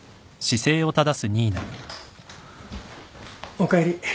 ・おかえり。